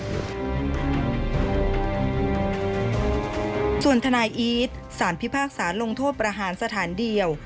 ส่วนทนายอีทสารพิพากษาลงโทษประหารสถานเดียว